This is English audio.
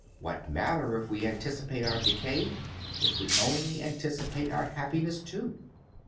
What matter if we anticipate our decay, if we only anticipate our happiness too?